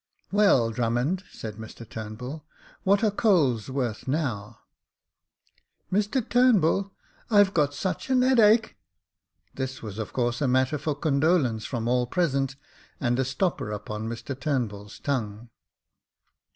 " Well, Drummond," said Mr Turnbull, *' what are coals worth now ?"" Mr Turnbull, Pve got such an ^eadache." This was of course a matter of condolence from all present, and a stopper upon Mr Turnbull's tongue.